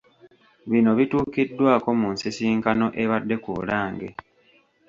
Bino bituukiddwako mu nsisinkano ebadde ku Bulange.